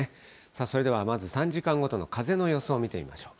それではまず３時間ごとの風の予想を見てみましょう。